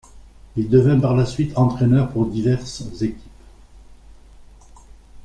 Il devint par la suite entraîneur pour diverses équipes.